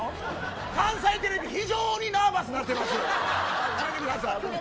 関西テレビ、非常にナーバスになってます。